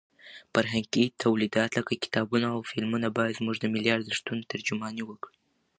فرهنګي تولیدات لکه کتابونه او فلمونه باید زموږ د ملي ارزښتونو ترجماني وکړي.